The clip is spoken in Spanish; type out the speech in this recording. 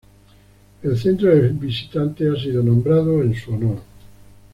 El centro de visitantes ha sido nombrado en su honor.